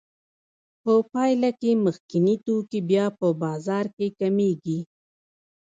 په پایله کې مخکیني توکي بیا په بازار کې کمېږي